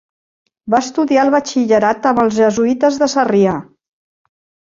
Va estudiar el batxillerat amb els jesuïtes de Sarrià.